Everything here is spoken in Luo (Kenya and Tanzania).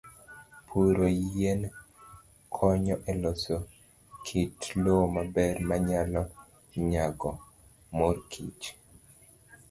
Puro yien konyo e loso kit lowo maber ma nyalo nyago mor kich.